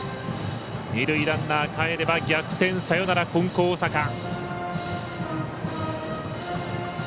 二塁ランナー、かえれば逆転サヨナラ、金光大阪。